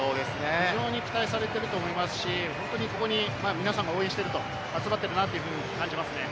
非常に期待されていると思いますし、皆さんが応援していると集まっているなというふうに感じます。